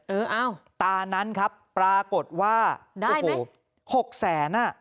เอออ้าวตานั้นครับปรากฏว่าได้ไป๖แสนอ่ะ